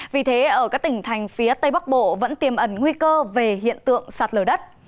vì thế ở các tỉnh thành phía tây bắc bộ vẫn tiềm ẩn nguy cơ về hiện tượng sạt lở đất